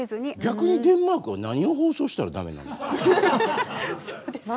逆にデンマークは何を放送したら駄目なんですかね。